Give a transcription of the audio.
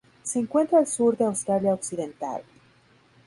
Se encuentra al sur de Australia Occidental.